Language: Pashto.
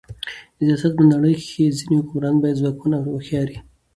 د سیاست په نړۍ کښي ځيني حکمرانان باید ځواکمن او هوښیار يي.